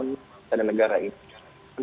membangun negara negara ini